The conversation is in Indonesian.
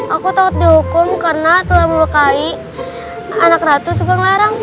aku takut dihukum karena telah melukai anak ratu subang larang